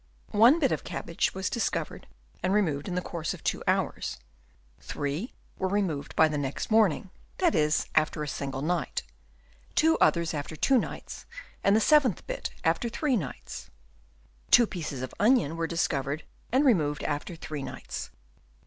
One bit of cabbage was dis covered and removed in the course of two hours ; three were removed by the next morning, that is, after a single night ; two others after two nights ; and the seventh bit after three nights. Two pieces of onion were discovered and removed after three nights.